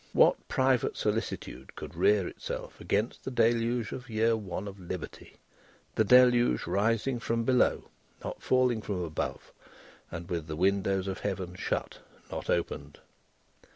What private solicitude could rear itself against the deluge of the Year One of Liberty the deluge rising from below, not falling from above, and with the windows of Heaven shut, not opened!